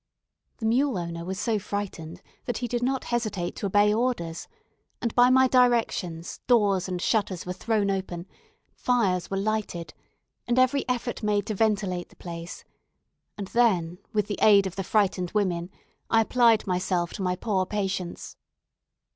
The mule owner was so frightened that he did not hesitate to obey orders, and, by my directions, doors and shutters were thrown open, fires were lighted, and every effort made to ventilate the place; and then, with the aid of the frightened women, I applied myself to my poor patients.